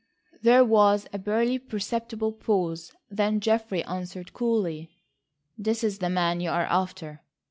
There was a barely perceptible pause. Then Geoffrey answered coolly: "That is the man you are after."